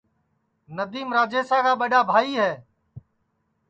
ندیم راجیشا کا ٻڈؔا بھائی ہے